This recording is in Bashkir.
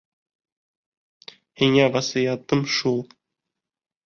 Һиңә васыятым шул.